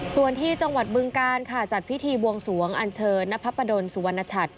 ส่วนที่จังหวัดบึงการค่ะจัดพิธีบวงสวงอันเชิญนพดลสุวรรณชัด